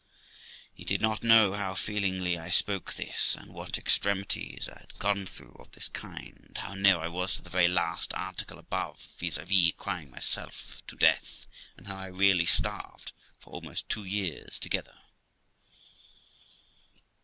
He did not know how feelingly I spoke this, and what extremities I had gone through of this kind ; how near I was to the very last article above, viz. crying myself to death; aud how I really starved for almost two years together.